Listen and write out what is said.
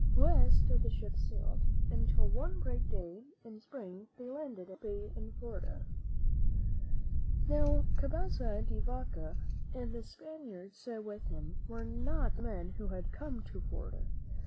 West the ships sailed, until one bright day in Spring they landed at Tampa Bay, in Florida. Now, Cabeza de Vaca and the Spaniards with him were not the first men who had come to Florida.